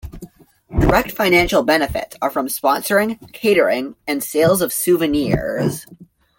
Direct financial benefits are from sponsoring, catering and sales of souvenirs.